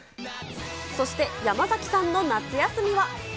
そして山崎さんの夏休みは。